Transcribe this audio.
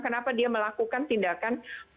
kenapa dia melakukan tindakan